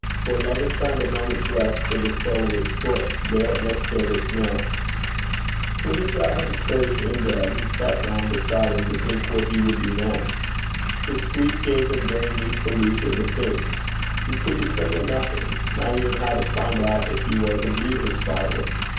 Where love had found a moment's rest for the sole of its foot, there it must build its nest. When he had got him safe in bed, he sat down beside him to think what he would do next. This sleep gave him very needful leisure to think. He could determine nothing not even how to find out if he was indeed his father.